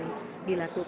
saya sudah melaporkan